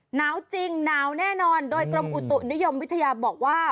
หนาวจริงหนาวแน่นอนโดยกรมอุตุนิยมวิทยาบอกว่า